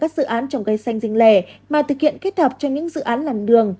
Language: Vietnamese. các dự án trồng cây xanh rinh lè mà thực hiện kết hợp cho những dự án làn đường